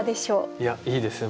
いやいいですよ